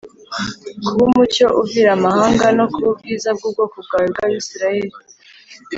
, Kuba umucyo uvira amahanga, no kuba ubwiza bw’ubwoko bwawe bw’Abisiraheli